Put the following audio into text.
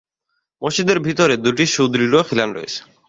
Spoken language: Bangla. মসজিদের ভিতরে দুটি সুদৃঢ় খিলান রয়েছে।